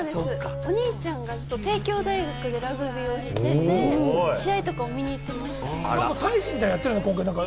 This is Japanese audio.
お兄ちゃんが帝京大学でラグビーしてて、試合とかも見に行ってました。